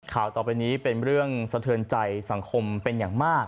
ต่อไปนี้เป็นเรื่องสะเทือนใจสังคมเป็นอย่างมาก